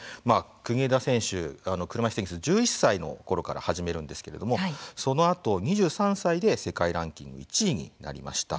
国枝選手、車いすテニスを１１歳のころから始めるんですけれどもそのあと２３歳で世界ランキング１位になりました。